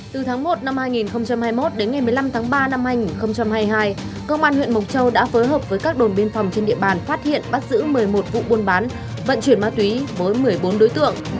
từ tháng một năm hai nghìn hai mươi một đến ngày một mươi năm tháng ba năm hai nghìn hai mươi hai công an huyện mộc châu đã phối hợp với các đồn biên phòng trên địa bàn phát hiện bắt giữ một mươi một vụ buôn bán vận chuyển ma túy với một mươi bốn đối tượng